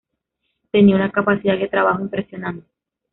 Tenía una capacidad de trabajo impresionante.